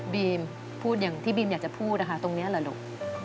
บีมพูดอย่างที่บีมอยากจะพูดนะคะตรงนี้เหรอลูก